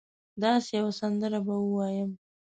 داسي یوه سندره به ووایم